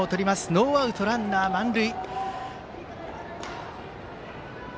ノーアウト、ランナー満塁。